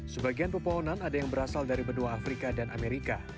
sebagian pepohonan ada yang berasal dari benua afrika dan amerika